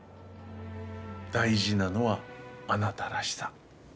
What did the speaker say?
大事なのはあなたらしさ。